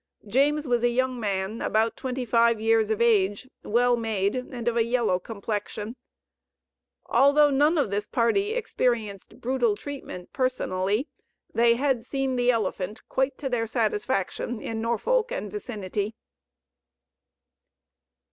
James was a young man, about twenty five years of age, well made, and of a yellow complexion. Although none of this party experienced brutal treatment personally, they had seen the "elephant" quite to their satisfaction in Norfolk and vicinity.